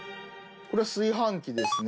これ炊飯器ですね。